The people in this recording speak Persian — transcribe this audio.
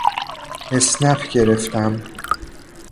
اسنپ گرفتم.